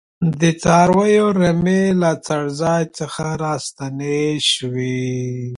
د څارویو رمې له څړځای څخه راستنې شوې.